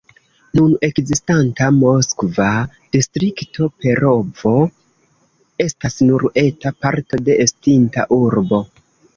Nun ekzistanta moskva distrikto Perovo estas nur eta parto de estinta urbo.